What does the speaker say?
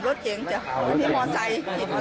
ลอเตอรี่ต่ายใหม่เยอะไหม